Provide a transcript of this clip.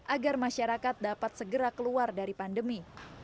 agar masyarakat dapat segera keluar dari pandemi